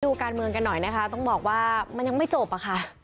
ดูการเมืองกันหน่อยนะคะต้องบอกว่ามันยังไม่จบอะค่ะ